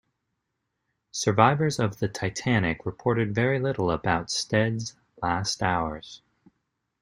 Survivors of the "Titanic" reported very little about Stead's last hours.